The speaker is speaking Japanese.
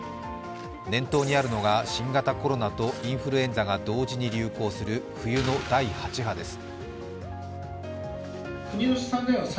念頭にあるのが、新型コロナとインフルエンザが同時に流行する冬の第８波です。